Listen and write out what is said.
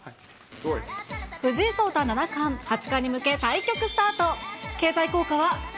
藤井聡太七冠、八冠に向けて対局スタート。